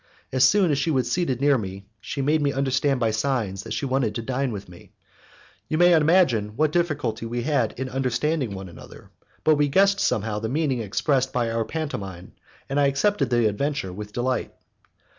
As soon as she was seated near me, she made me understand by signs that she wanted to dine with me. You may imagine what difficulty we had in understanding one another, but we guessed somehow the meaning expressed by our pantomime, and I accepted the adventure with delight.